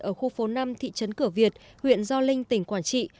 ở khu phố năm thị trấn cửa việt huyện gio linh tỉnh quảng trị